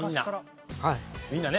みんなね。